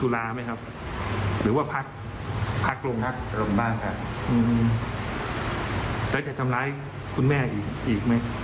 แล้วจะทำร้ายคุณแม่อีกไหม